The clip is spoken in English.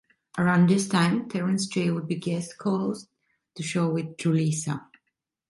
Around this time, Terrence J would be guest co-host the show with Julissa.